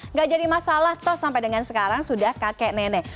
nggak jadi masalah toh sampai dengan sekarang sudah kakek nenek